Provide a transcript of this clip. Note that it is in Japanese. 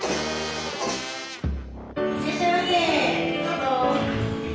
いらっしゃいませどうぞ。